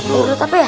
darurat apa ya